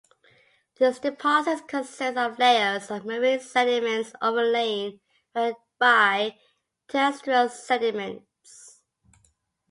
These deposits consist of layers of marine sediments overlain by terrestrial sediments.